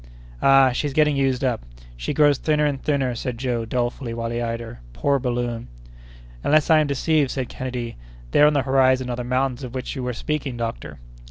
"Ah, she's getting used up! She grows thinner and thinner," said Joe, dolefully, while he eyed her. "Poor balloon!" "Unless I am deceived," said Kennedy, "there on the horizon are the mountains of which you were speaking, doctor."